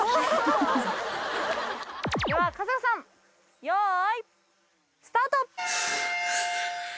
では春日さん用意スタート！